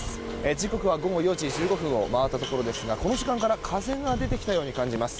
時刻は午後４時１５分を回ったところですがこの時間から風が出てきたように感じます。